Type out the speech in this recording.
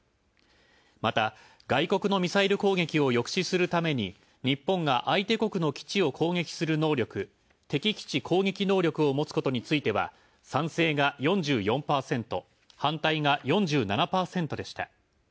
また、外国のミサイル攻撃を抑止するために日本が相手国の基地を攻撃する能力敵基地攻撃能力を持つことについては賛成が４４％、反対が４７％でした。